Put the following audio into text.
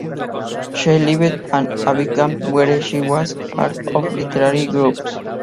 She lived in Abidjan where she was part of literary groups.